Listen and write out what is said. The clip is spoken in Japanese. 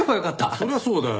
そりゃそうだよ。